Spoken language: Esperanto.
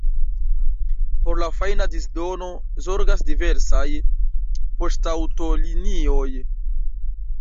Por la fajna disdono zorgas diversaj poŝtaŭtolinioj.